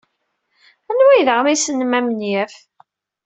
Anwa ay d aɣmis-nnem amenyaf?